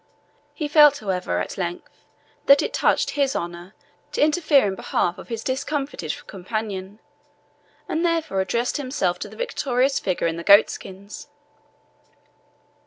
He felt, however, at length, that it touched his honour to interfere in behalf of his discomfited companion, and therefore addressed himself to the victorious figure in the goat skins.